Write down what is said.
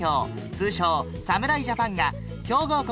通称侍ジャパンが強豪国